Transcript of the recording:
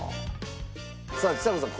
さあちさ子さん